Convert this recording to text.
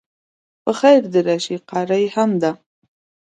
په خیر د راشی قاری هم ده